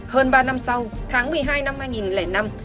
hơn ba năm sau tháng một mươi hai năm hai nghìn năm